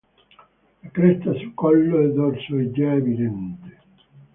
La cresta su collo e dorso è già evidente.